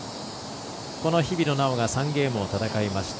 この日比野菜緒が３ゲームを戦いました。